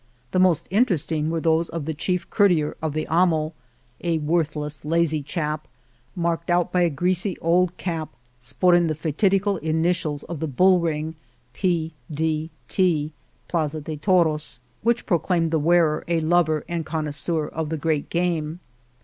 The most interesting were those of the chief courtier of the amo ; a worthless, lazy chap, marked out by a greasy old cap sporting the fatidical initials of the bull ring, P. D. T. {plaza de toros), which 25 Argamasilla proclaimed the wearer a lover and connois seur of the great game.